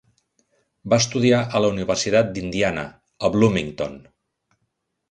Va estudiar a la universitat d'Indiana, a Bloomington.